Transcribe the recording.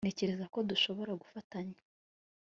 Ntekereza ko dushobora gufashanya